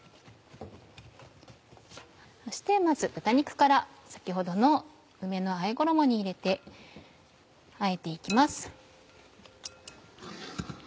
そしてまず豚肉から先ほどの梅のあえ衣に入れてあえて行きます。